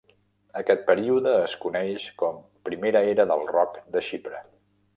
Aquest període es coneix com "Primera Era del Rock de Xipre".